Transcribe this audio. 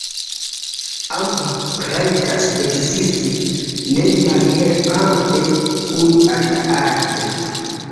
Ambaŭ rajtas ekzisti, ne malhelpante unu al la alia.